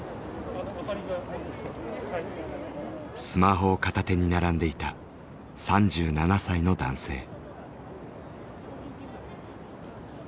スマホを片手に並んでいた３７歳の男性。